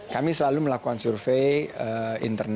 kami selalu melakukan survei